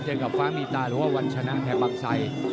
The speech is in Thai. เจอกับฟ้ามีตาหรือว่าวันชนะแห่บางไซ